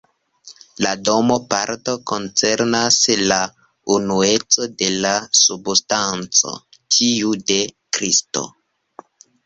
La doma parto koncernas la unuecon de la substanco, tiu de Kristo.